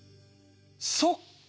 そっか！